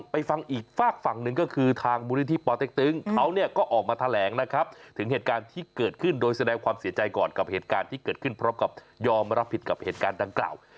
เพราะว่าผิดกับเหตุการณ์ดังกล่าว